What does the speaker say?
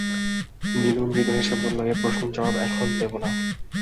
নীলু মৃদু হেসে বলল, এই প্রশ্নের জবাব এখন দেব না।